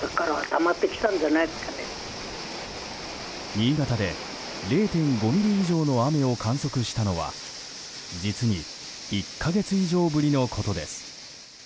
新潟で０．５ミリ以上の雨を観測したのは実に１か月以上ぶりのことです。